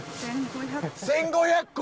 １，５００個！